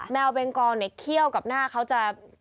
แมวเบงกอเนี่ยเขี้ยวกับหน้าเขาจะ